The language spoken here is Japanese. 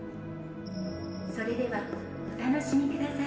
それでは、お楽しみください。